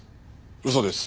嘘です。